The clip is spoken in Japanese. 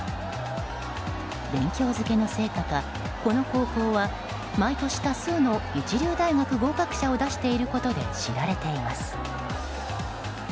勉強漬けの成果か、この高校は毎年多数の一流大学合格者を出していることで知られています。